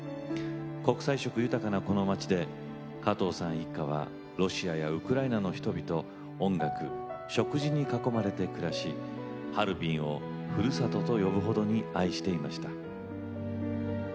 国際色豊かなこの街で加藤さん一家はロシアやウクライナの人々音楽、食事に囲まれて暮らしハルビンをふるさとと呼ぶほどに愛していました。